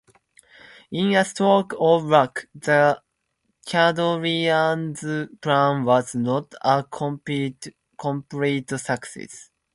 In a stroke of luck, the Kadrians' plan was not a complete success.